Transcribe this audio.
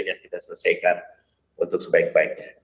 dan kita selesaikan untuk sebaik baiknya